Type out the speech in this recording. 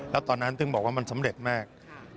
แล้วตอนนั้นถึงบอกว่ามันสำเร็จมาก